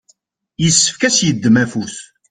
yessefk ad s-yeddem afus.